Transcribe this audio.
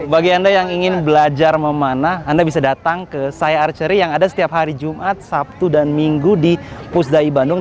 bagi anda yang ingin belajar memanah anda bisa datang ke saya archery yang ada setiap hari jumat sabtu dan minggu di pusdai bandung